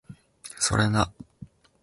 それな